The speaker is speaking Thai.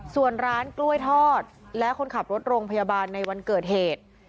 ส่วนร้านกล้วยทอดและคนขับรถโรงพยาบาลในวันเกิดเหตุ